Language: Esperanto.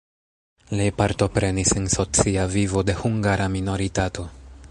Li partoprenis en socia vivo de hungara minoritato.